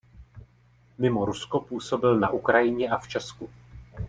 Mimo Rusko působil na Ukrajině a v Česku.